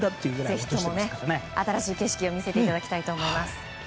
ぜひとも新しい景色を見せていただきたいと思います。